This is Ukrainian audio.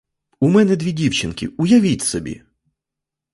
У мене дві дівчинки, уявіть собі!